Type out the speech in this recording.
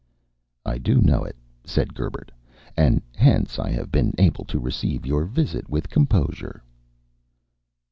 "I do know it," said Gerbert, "and hence I have been able to receive your visit with composure."